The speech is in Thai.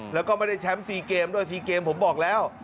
แล้วก็ไม่ได้แชมป์๔เกมด้วย๔เกมผมบอกแล้ว